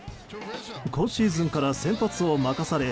今シーズンから先発を任され